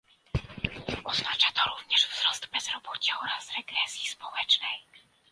Oznacza to również wzrost bezrobocia oraz regresji społecznej